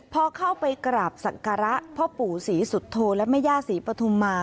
พอเข้าไปกราบศักระพ่อปู่ศรีสุโธและแม่ย่าศรีปฐุมมา